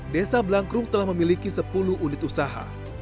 desa blangkrung telah memiliki sepuluh unit usaha